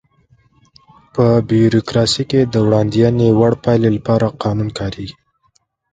په بیوروکراسي کې د وړاندوينې وړ پایلې لپاره قانون کاریږي.